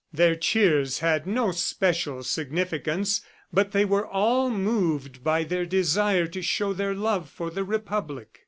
Their cheers had no special significance, but they were all moved by their desire to show their love for the Republic.